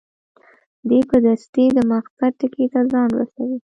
دی په دستي د مقصد ټکي ته ځان رسوي.